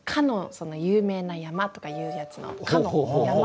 その有名な山とかいうやつの「かの山」。